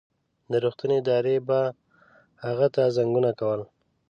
د روغتون ادارې به هغه ته زنګونه کول.